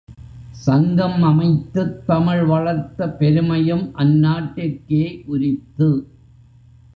சங்கம் அமைத்துத் தமிழ் வளர்த்த பெருமையும் அந்நாட்டிற்கே உரித்து.